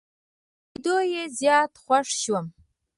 په لیدو یې زیات خوښ شوم.